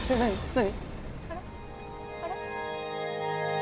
何？